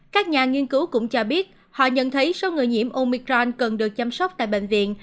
các nhà nghiên cứu cũng cho biết họ nhận thấy số người nhiễm omicron cần được chăm sóc tại bệnh viện